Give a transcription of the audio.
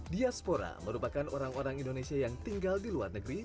diaspora merupakan orang orang indonesia yang tinggal di luar negeri